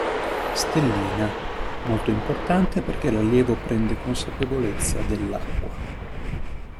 Stellina: molto importante perché l'allievo prende consapevolezza dell'acqua.